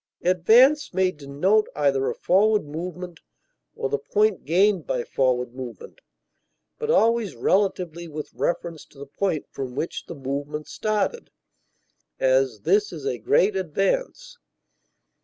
Advance may denote either a forward movement or the point gained by forward movement, but always relatively with reference to the point from which the movement started; as, this is a great advance.